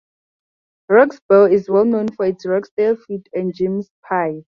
Roxburgh is well known for its Roxdale fruit and Jimmy's Pies.